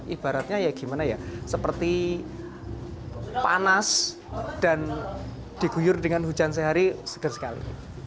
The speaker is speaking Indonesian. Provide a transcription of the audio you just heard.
ibaratnya ya gimana ya seperti panas dan diguyur dengan hujan sehari seger sekali